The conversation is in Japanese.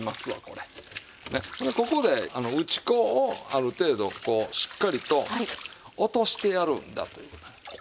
ほんでここで打ち粉をある程度こうしっかりと落としてやるんだという事ね。